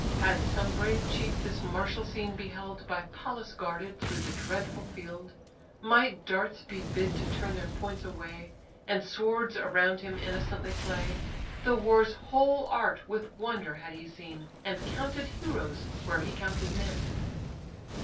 Had some brave chief this martial scene beheld, By Pallas guarded through the dreadful field; Might darts be bid to turn their points away, And swords around him innocently play; The war's whole art with wonder had he seen, And counted heroes where he counted men.